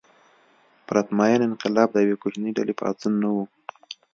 پرتمین انقلاب د یوې کوچنۍ ډلې پاڅون نه و.